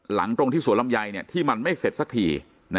ตรงที่สวนลำไยที่มันไม่เสร็จสักที